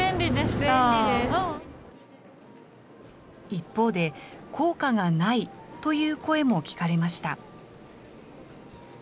一方で、効果がないという声も聞かれました。